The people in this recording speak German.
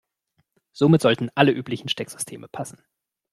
Somit sollten alle üblichen Stecksysteme passen.